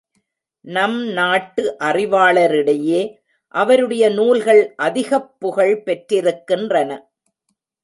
நம் நாட்டு அறிவாளரிடையே அவருடைய நூல்கள் அதிகப் புகழ் பெற்றிருக்கின்றன.